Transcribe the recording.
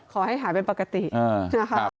ขอให้หาเป็นปกติอืมนะครับ